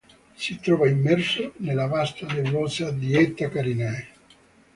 Si trova immerso nella vasta nebulosa di Eta Carinae.